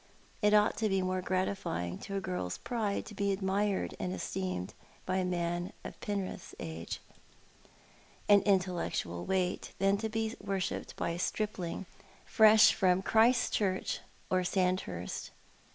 It ought to be more gratifying to a girl's pride to be admired and esteemed by a man of Penrith's age 184 ThoiL art the Man. ^ and intellectual weight than to be worshipped by a stripling fresh from Christchurch or Sandhurst.